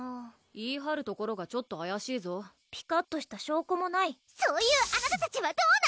言いはるところがちょっとあやしいぞピカッとした証拠もないそういうあなたたちはどうなのよ！